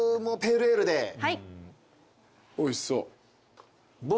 おいしそう。